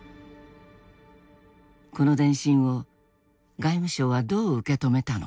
この電信を外務省はどう受け止めたのか。